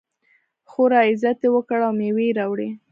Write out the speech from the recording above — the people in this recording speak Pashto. خورا عزت یې وکړ او مېوې یې راوړې.